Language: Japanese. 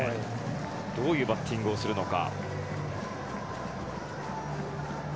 どういうバッティングをするのか。